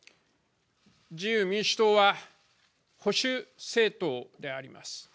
自由民主党は保守政党であります。